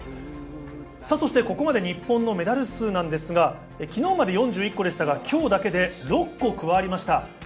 そして、ここまで日本のメダル数ですが昨日まで４１個でしたが今日だけで６個加わりました。